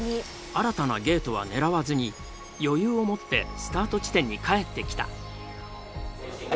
新たなゲートは狙わずに余裕を持ってスタート地点に帰ってきた。